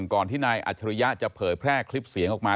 ก่อนที่นายอัจฉริยะจะเผยแพร่คลิปเสียงออกมา